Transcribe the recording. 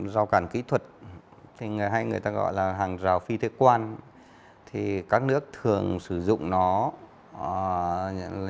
rào cản kỹ thuật hay người ta gọi là hàng rào phi thuế quan thì các nước thường sử dụng nó như